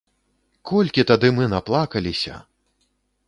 Колькі тады мы наплакаліся!